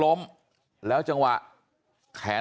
บอกแล้วบอกแล้วบอกแล้ว